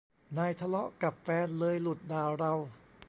นายทะเลาะกับแฟน เลยหลุดด่าเรา